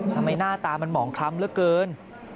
หน้าตามันหมองคล้ำเหลือเกิน